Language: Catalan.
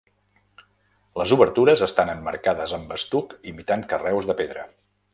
Les obertures estan emmarcades amb estuc imitant carreus de pedra.